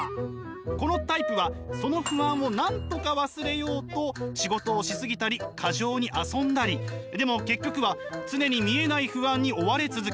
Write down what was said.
このタイプはその不安をなんとか忘れようとでも結局は常に見えない不安に追われ続けます。